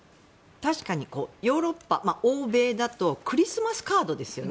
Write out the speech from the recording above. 確かにヨーロッパ欧米だとクリスマスカードですよね。